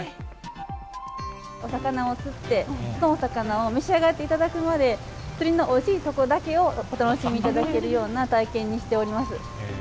お魚を釣って、そのお魚を召し上がっていただくまで、釣りのおいしいとこだけを、お楽しみいただけるような体験にしております。